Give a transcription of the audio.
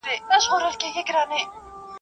ځوانان تفریحي ځایونه خوښوي